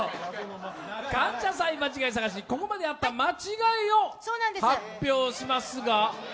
「感謝祭」間違い探し、ここまであった間違いを発表しますが。